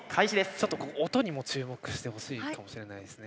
ちょっと音にも注目してほしいかもしれないですね。